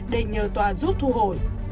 để nhờ tòa giúp thu hồi